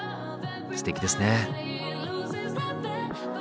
すてきですね。